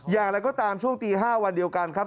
อย่างไรก็ตามช่วงตี๕วันเดียวกันครับ